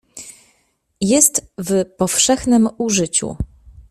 "Jest w powszechnem użyciu."